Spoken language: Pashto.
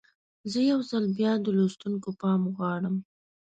زه یو ځل بیا د لوستونکو پام غواړم.